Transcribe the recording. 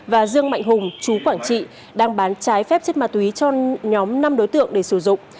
và dương mạnh hùng chú quảng trị đang bán trái phép chất ma túy cho nhóm năm đối tượng để sử dụng